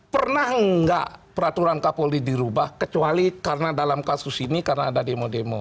pernah enggak peraturan kapolri dirubah kecuali karena dalam kasus ini karena ada demo demo